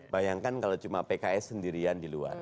bayangkan kalau cuma pks sendirian di luar